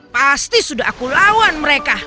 pasti sudah aku lawan mereka